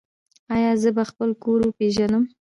ایا زه به خپل کور وپیژنم؟